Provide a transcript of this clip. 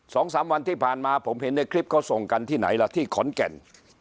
สองสามวันที่ผ่านมาผมเห็นในคลิปเขาส่งกันที่ไหนล่ะที่ขอนแก่น